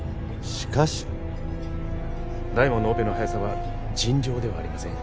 大門のオペの速さは尋常ではありません。